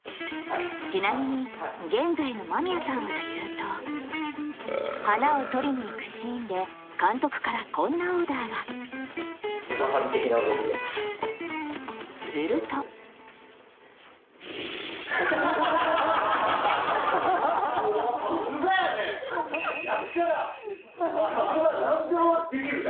ちなみに現在の間宮さんはというと花を取りに行くシーンで監督からこんなオーダーがするとハハハハッ！